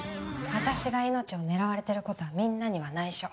私が命を狙われてることはみんなには内緒。